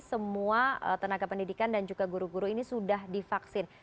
semua tenaga pendidikan dan juga guru guru ini sudah divaksin